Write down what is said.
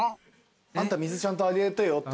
あんた水ちゃんとあげてよって。